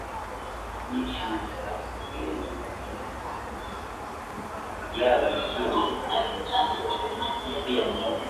na nchi za Baltiki kati yao lakini Hitler alishambulia pia Umoja